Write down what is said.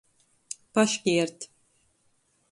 Paškiert.